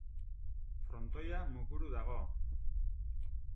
Frontoia mukuru dago.